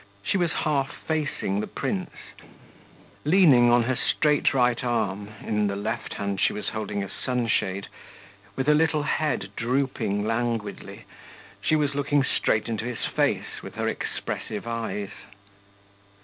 She was half facing the prince; leaning on her straight right arm (in the left hand she was holding a sunshade), with her little head drooping languidly, she was looking straight into his face with her expressive eyes.